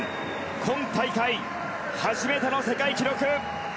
今大会、初めての世界記録。